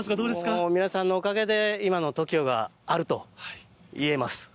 もう皆さんのおかげで、今のＴＯＫＩＯがあるといえます。